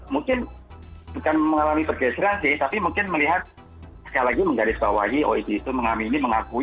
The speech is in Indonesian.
mungkin bukan mengalami pergeseran sih tapi mungkin melihat sekali lagi menggarisbawahi oed itu mengami ini mengakui